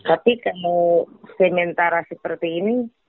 tapi kalau sementara seperti ini